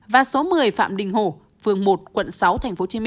và số một mươi phạm đình hồ phường một quận sáu tp hcm